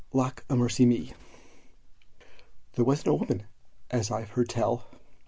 Lawkamercyme There was an old woman, as I've heard tell.